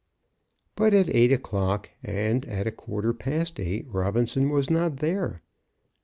But at eight o'clock and at a quarter past eight Robinson was not there.